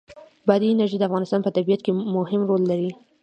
بادي انرژي د افغانستان په طبیعت کې مهم رول لري.